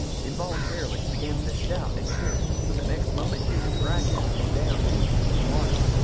Involuntarily he begins to shout and kick, but the next moment he is dragged out and down towards deep water.